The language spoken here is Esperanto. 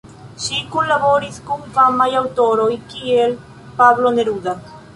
Ŝi kunlaboris kun famaj aŭtoroj kiel Pablo Neruda.